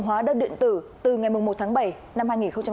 hóa đơn điện tử từ ngày một tháng bảy năm hai nghìn hai mươi